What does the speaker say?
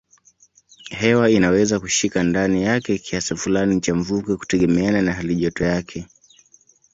Hewa inaweza kushika ndani yake kiasi fulani cha mvuke kutegemeana na halijoto yake.